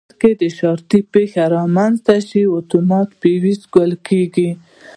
که په سرکټ کې د شارټي پېښه رامنځته شي اتومات فیوز ګل کېږي.